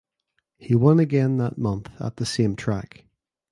He won again that month at the same track.